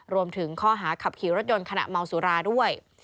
รวมถึงข้อหาขับขี่รถยนต์ขณะเมาสุราด้วย